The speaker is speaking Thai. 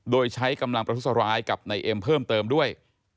โดยใช้กำลังประทุษร้ายกับนายเอ็มเพิ่มเติมด้วย